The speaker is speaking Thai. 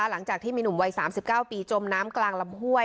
หลังจากที่มีหนุ่มวัย๓๙ปีจมน้ำกลางลำห้วย